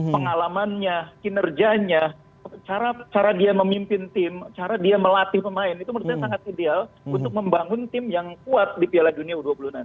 pengalamannya kinerjanya cara dia memimpin tim cara dia melatih pemain itu menurut saya sangat ideal untuk membangun tim yang kuat di piala dunia u dua puluh nanti